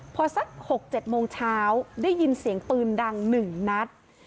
พอสัก๖๗โมงเช้าได้ยินเสียงปืนดัง๑นัด